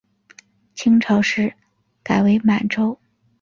清朝时改为满洲。